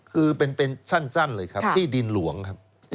คือเป็นสั้นเลยครับที่ดินหลวงครับ